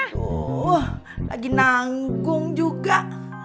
aduh lagi nanggung juga